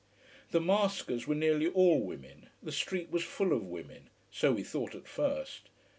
The maskers were nearly all women the street was full of women: so we thought at first.